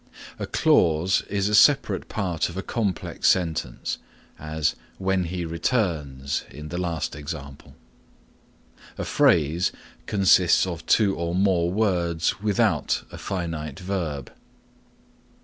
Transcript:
A clause is a separate part of a complex sentence, as "when he returns" in the last example. A phrase consists of two or more words without a finite verb.